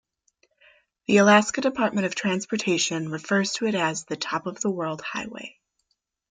The Alaska Department of Transportation refers to it as Top of the World Highway.